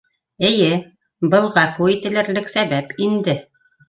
— Эйе, был ғәфү ителерлек сәбәп инде.